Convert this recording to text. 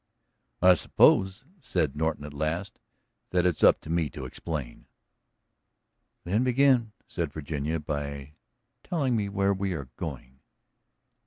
"I suppose," said Norton at last, "that it's up to me to explain." "Then begin," said Virginia, "by telling me where we are going."